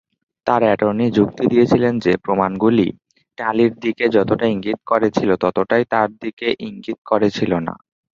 তার অ্যাটর্নি যুক্তি দিয়েছিলেন যে প্রমাণগুলি টালির দিকে যতটা ইঙ্গিত করেছিল ততটাই তার দিকে ইঙ্গিত করেছিল না।